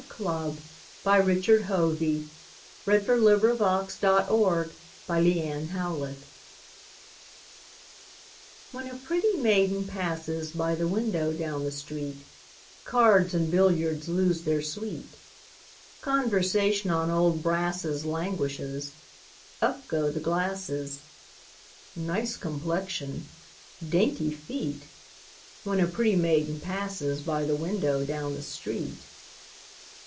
C D . E F . G H . I J . K L . M N . O P . Q R . S T . U V . W X . Y Z At the Club When a pretty maiden passes By the window down the street, Cards and billiards lose their sweet; Conversation on old brasses Languishes; up go the glasses: "Nice complexion!" "Dainty feet!" When a pretty maiden passes By the window down the street.